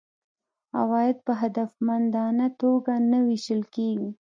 عواید په هدفمندانه توګه نه وېشل کیږي.